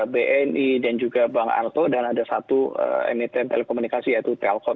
bni dan juga bank arto dan ada satu emiten telekomunikasi yaitu telkom